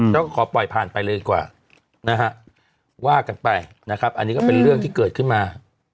ก็ขอปล่อยผ่านไปเลยดีกว่านะฮะว่ากันไปนะครับอันนี้ก็เป็นเรื่องที่เกิดขึ้นมา